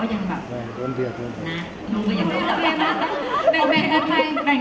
แทนที่เดียวก็มีปสติด